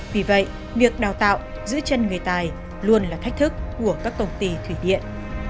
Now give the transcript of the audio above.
vì vậy việc đào tạo giữ chân người tài luôn là thách thức của các công ty thủy điện